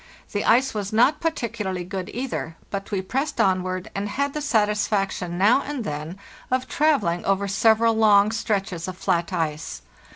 The ice was not particularly good either, but we pressed onward, and had the satis faction now and then of travelling over several long stretches of flat ice.